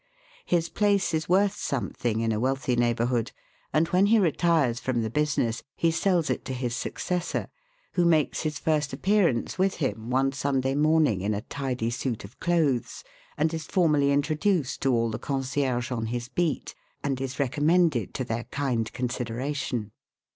His place is worth something in a wealthy neighbourhood, and when he retires from the business he sells it to his suc cessor, who makes his first appearance with him one Sunday morning in a tidy suit of clothes, and is formally introduced to all the concierges on his beat, and is recom mended to their kind consideration.